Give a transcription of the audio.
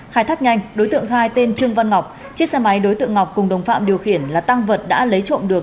khai thác nhanh đối tượng khai tên trương văn ngọc chiếc xe máy đối tượng ngọc cùng đồng phạm điều khiển là tăng vật đã lấy trộm được